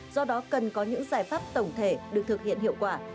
do đó cần có những giải pháp tổng thể được thực hiện hiệu quả